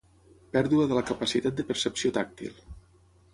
Pèrdua de la capacitat de percepció tàctil.